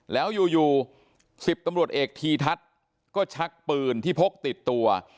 แล้วอยู่๑๐ตำรวจเอกทีทัศน์ก็ชักปืนที่พกติดตัว